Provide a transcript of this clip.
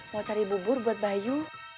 mau cari bubur buat bayu